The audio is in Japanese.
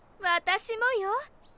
私もよ！